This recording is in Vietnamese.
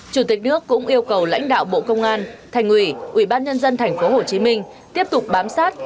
chủ tịch nước cũng yêu cầu lãnh đạo bộ công an thành ủy ubnd tp hcm tiếp tục bám sát